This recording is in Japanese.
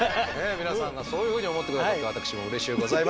皆さんがそういうふうに思って下さって私もうれしゅうございます。